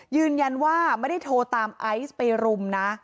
ยืนยันว่าไม่ได้โทรตามไอซ์ไปรุมนะ